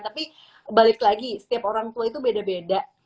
tapi balik lagi setiap orang tua itu beda beda